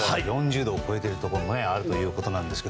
４０度を超えているところもあるということですが。